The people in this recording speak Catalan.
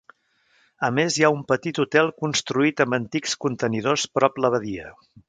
A més, hi ha un petit hotel construït amb antics contenidors prop la badia.